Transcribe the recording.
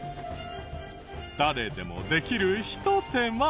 誰でもできるひと手間。